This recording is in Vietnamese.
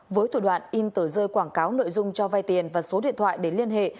với thủ đoạn in tờ rơi quảng cáo nội dung cho vai tiền và số điện thoại để liên hệ